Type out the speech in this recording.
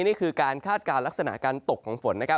นี่คือการคาดการณ์ลักษณะการตกของฝนนะครับ